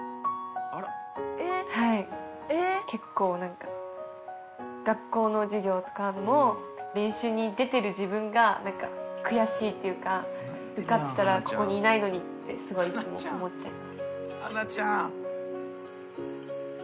結構なんか、学校の授業なんかも、練習に出てる自分がなんか、悔しいっていうか、受かったらここにいないのにって、すごいいつも思っちゃいます。